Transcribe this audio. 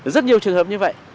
rất nhiều trường hợp như vậy